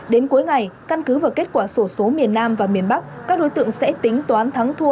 đến cuối ngày căn cứ vào kết quả sổ số miền nam và miền bắc các đối tượng sẽ tính toán thắng thua